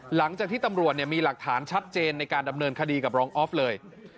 หลังจากที่ตำรวจมีหลักฐานชัดเจนในการดำเนินคดีกับรองออฟเลย